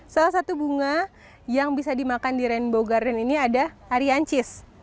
salah satu bunga yang bisa dimakan di rainbow garden ini adalah arianches